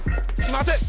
待て！